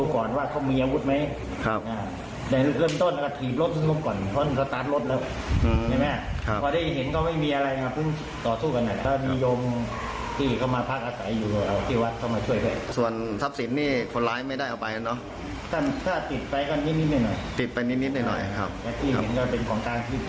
แกติดไปกันนิดหน่อยยังเป็นความมันต้องอยู่ข้างล่าง